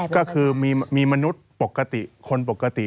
ก็คือมีมนุษย์ปกติคนปกติ